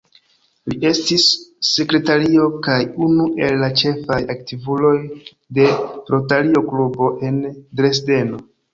Li estis sekretario kaj unu el la ĉefaj aktivuloj de Rotario-klubo en Dresdeno.